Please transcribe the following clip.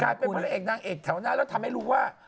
เป็นพระเอกนางเอกแถวหน้าแล้วทำให้รู้ว่า